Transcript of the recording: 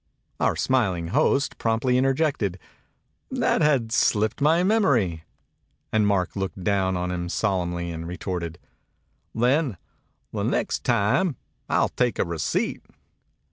Our smiling host promptly interjected: "That had slipt my mem ory!" And Mark looked down on him sol emnly, and retorted, "Then, the next time, I'll take a receipt."